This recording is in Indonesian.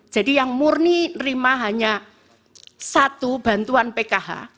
jadi yang murni menerima hanya satu bantuan pkh